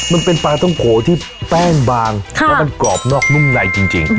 มันเป็นปลาท่องโกะที่แป้งบางค่ะแล้วมันกรอบนอกนุ่มในจริงจริง